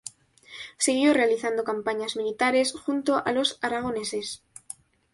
Siguió realizando campañas militares junto a los aragoneses.